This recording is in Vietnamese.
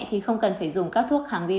thì không cần phải dùng các thuốc kháng virus